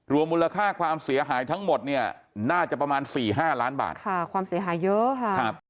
มูลค่าความเสียหายทั้งหมดเนี่ยน่าจะประมาณสี่ห้าล้านบาทค่ะความเสียหายเยอะค่ะครับ